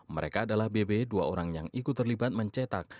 mereka adalah bebe dua orang yang ikut terlibat mencetak